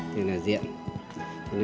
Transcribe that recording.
tôi là diện